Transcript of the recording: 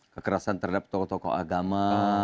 kekerasan terhadap tokoh tokoh agama